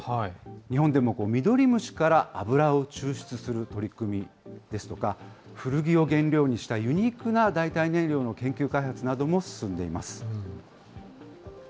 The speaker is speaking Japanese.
日本でもミドリムシから油を抽出する取り組みですとか、古着を原料にしたユニークな代替燃料の研究開発なども進んでいます。